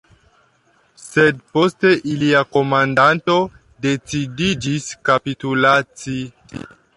Sed poste ilia komandanto decidiĝis kapitulaci.